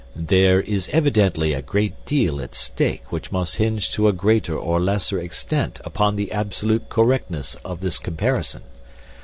"There is evidently a great deal at stake which must hinge to a greater or lesser extent upon the absolute correctness of this comparison.